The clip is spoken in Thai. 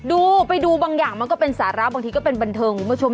ดูไปดูบางอย่างมันก็เป็นสาระบางทีก็เป็นบันเทิงคุณผู้ชม